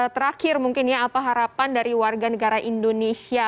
terakhir mungkin ya apa harapan dari warga negara indonesia